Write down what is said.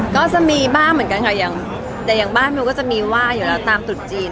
ก็จะมีบ้านเหมือนกันค่ะอย่างบ้านนู้นก็จะมีว่าอยู่แล้วตามตุดจีน